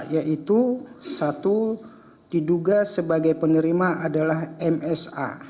yaitu satu diduga sebagai penerima adalah msa